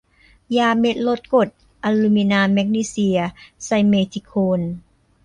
ยาเม็ดลดกรด อะลูมินา แมกนีเซีย ไซเมธิโคน